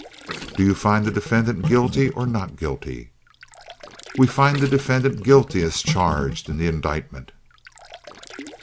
"Do you find the defendant guilty or not guilty?" "We find the defendant guilty as charged in the indictment."